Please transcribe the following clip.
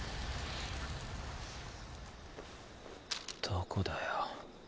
どこだよ？